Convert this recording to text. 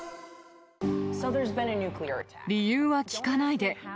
理由は聞かないで。